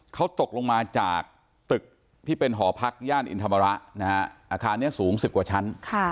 เขาตกลงมาจากตึกที่เป็นหอพักย่านอินธรรมระนะฮะอาคารนี้สูง๑๐กว่าชั้น